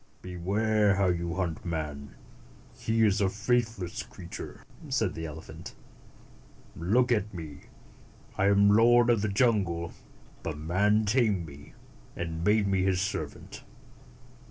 "Beware how you hunt man. He is a faith less creature," said the elephant. "Look at me. I am lord of the jungle, but man tamed me, and made me his servant.